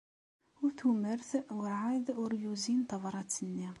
Utumert werɛad ur yuzin tabṛat-nni.